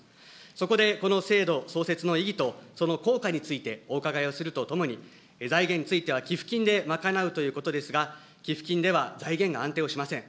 そこでこの制度創設の意義とその効果について、お伺いをするとともに、財源については寄付金で賄うということですが、寄付金では財源が安定をしません。